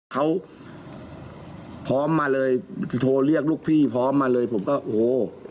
เขาพร้อมมาเลยโทรเรียกลูกพี่พร้อมมาเลยผมก็โอ้โห